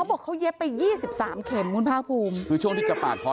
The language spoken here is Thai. แล้วก็มาก่อเหตุอย่างที่คุณผู้ชมเห็นในคลิปนะคะ